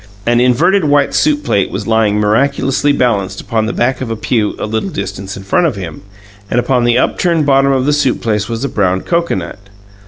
An inverted white soup plate was lying miraculously balanced upon the back of a pew a little distance in front of him, and upon the upturned bottom of the soup plate was a brown cocoanut.